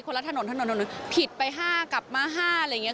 ละถนนถนนผิดไป๕กลับมา๕อะไรอย่างนี้